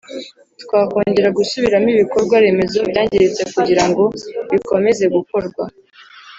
twakongera gusubiramo ibikorwa remezo byangiritse kugira ngo bikomeze gukorwa